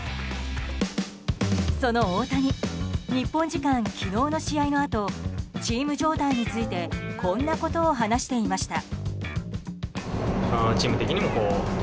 その大谷、日本時間昨日の試合のあとチーム状態についてこんなことを話していました。